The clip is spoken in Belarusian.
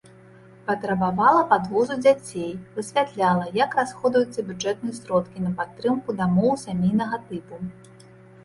Патрабавала падвозу дзяцей, высвятляла, як расходуюцца бюджэтныя сродкі на падтрымку дамоў сямейнага тыпу.